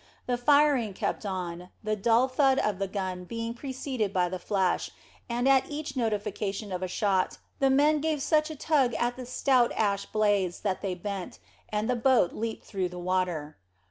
The firing kept on, the dull thud of the gun being preceded by the flash, and at each notification of a shot the men gave such a tug at the stout ash blades that they bent, and the boat leaped through the water.